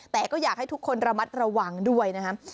แต่ก็อยากให้ทุกคนระมัดระวังด้วยนะครับ